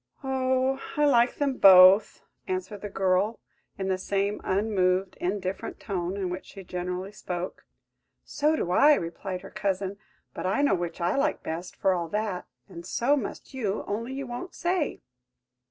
"Oh, I like them both!" answered the girl, in the same unmoved, indifferent tone, in which she generally spoke. "So do I," replied her cousin; "but I know which I like best for all that; and so must you, only you won't say.